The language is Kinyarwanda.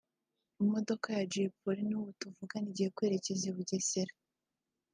Imodoka ya Jay Polly n’ubu tuvugana igiye kwerekeza i Bugesera